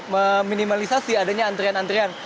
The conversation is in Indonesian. tapi minimalisasi adanya antrian antrian